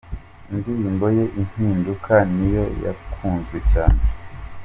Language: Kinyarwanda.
Indirimbo ye ‘Impinduka’ niyo yakunzwe cyane.